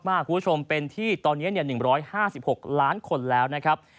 คุณผู้ชมเป็นที่ตอนนี้๑๕๖ล้านคนแล้วนะครับ